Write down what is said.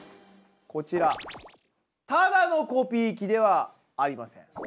こちらただのコピー機ではありません。